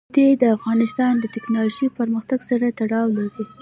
ښتې د افغانستان د تکنالوژۍ پرمختګ سره تړاو لري.